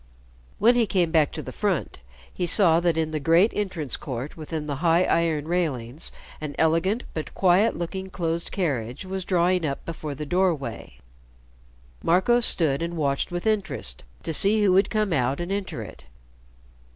When he came back to the front, he saw that in the great entrance court within the high iron railings an elegant but quiet looking closed carriage was drawing up before the doorway. Marco stood and watched with interest to see who would come out and enter it.